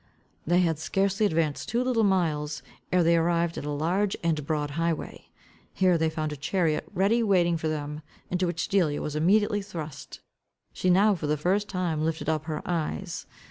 They had scarcely advanced two little miles, ere they arrived at a large and broad highway. Here they found a chariot ready waiting for them, into which Delia was immediately thrust. She now for the first time lifted up her eyes.